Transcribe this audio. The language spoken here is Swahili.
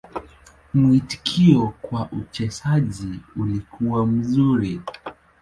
Mwitikio kwa uchezaji ulikuwa mzuri.